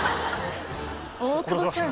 大久保さん